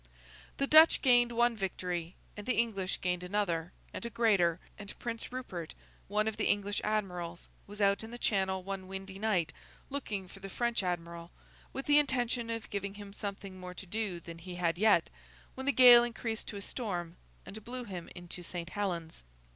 The Dutch gained one victory; and the English gained another and a greater; and Prince Rupert, one of the English admirals, was out in the Channel one windy night, looking for the French Admiral, with the intention of giving him something more to do than he had had yet, when the gale increased to a storm, and blew him into Saint Helen's.